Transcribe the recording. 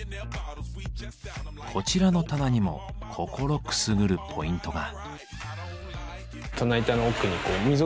こちらの棚にも心くすぐるポイントが。